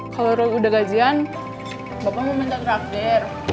kalau roy udah gajian bapak mau minta trakdir